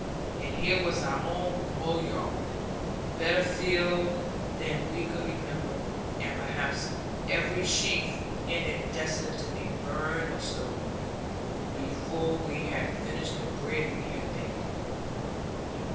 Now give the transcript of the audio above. And here was our own mow yard, better filled than we could remember, and perhaps every sheaf in it destined to be burned or stolen, before we had finished the bread we had baked.